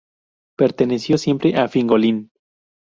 Perteneció siempre a Fingolfin.